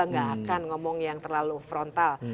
gak akan ngomong yang terlalu frontal